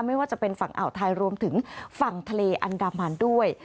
ไม่ว่าจะเป็นฝั่งอ่าวไทยรวมถึงฝั่งทะเลอันดามันด้วย